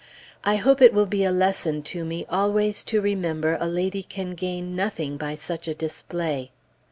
I hope it will be a lesson to me always to remember a lady can gain nothing by such display.